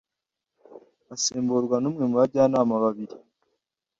asimburwa n umwe mu bajyanama babiri